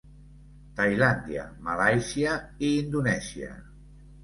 Tailàndia, Malàisia i Indonèsia.